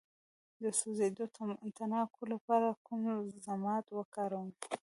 د سوځیدو د تڼاکو لپاره کوم ضماد وکاروم؟